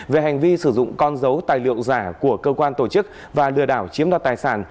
về hành vi sử dụng con dấu tài liệu giả của cơ quan tổ chức và lừa đảo chiếm đoạt tài sản